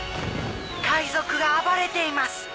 海賊が暴れています。